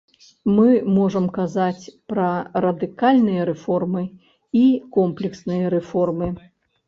Мы можам казаць пра радыкальныя рэформы і комплексныя рэформы.